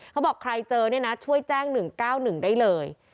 เขาบอกใครเจอเนี่ยนะช่วยแจ้ง๑๙๑ได้เลย